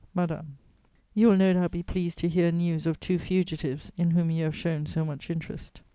"MADAME, "You will, no doubt, be pleased to hear news of two fugitives in whom you have shown so much interest.